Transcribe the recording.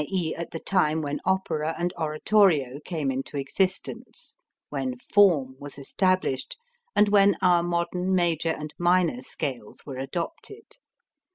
e._, at the time when opera and oratorio came into existence, when form was established, and when our modern major and minor scales were adopted.